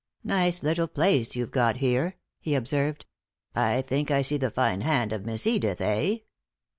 "Nice little place you've got here," he observed. "I think I see the fine hand of Miss Edith, eh?"